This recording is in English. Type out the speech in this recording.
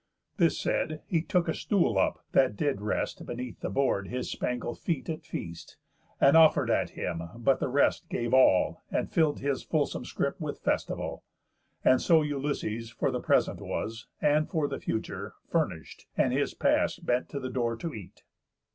This said, he took a stool up, that did rest, Beneath the board, his spangled feet at feast, And offer'd at him; but the rest gave all, And fill'd his fulsome scrip with festival. And so Ulysses for the present was, And for the future, furnish'd, and his pass Bent to the door to eat.